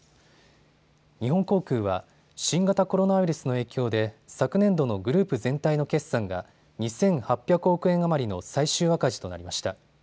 日本航空は新型コロナウイルスの影響で昨年度のグループ全体の決算が２８００億円余りの最終赤字となりました。